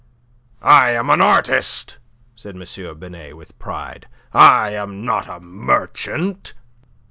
"I am an artist," said M. Binet, with pride. "I am not a merchant."